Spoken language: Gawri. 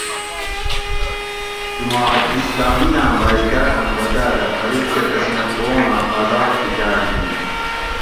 جماعت اِسلامی آۤں باۤیٔکاۤٹاۤں وجاۤ دہ فرید کہۤ تسیں قوم اۤ آزاد ٹِکاۤٹ گِین